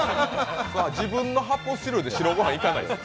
自分の発泡スチロールでご飯いかないで。